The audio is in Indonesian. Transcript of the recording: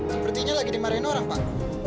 sepertinya lagi dimarahin orang pak